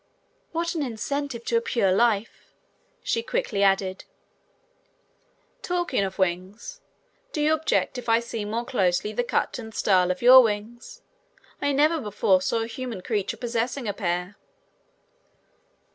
"What an incentive to a pure life," she quickly added. "Talking of wings, do you object if I see more closely the cut and style of your wings? I never saw before a human creature possessing a pair."